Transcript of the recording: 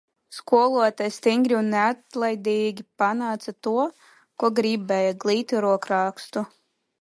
Skoltājs stingri un neatlaidīgi panāca to, ko gribēja - glītu rokrakstu.